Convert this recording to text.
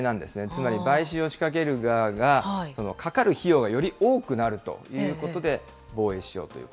つまり買収を仕掛ける側が、かかる費用がより多くなるということで、防衛しようという。